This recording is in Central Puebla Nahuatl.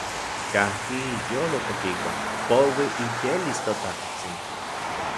Kajki iyolo tekiua, poui iyelis ToTajtsin.